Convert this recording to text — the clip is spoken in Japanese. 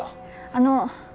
あの。